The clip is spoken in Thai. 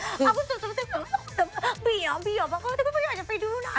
อ้าวคุณสุดสำหรับแฟนแม่งมีอ๋อมีอ๋อมีอ๋อไม่อยากจะไปดูนะ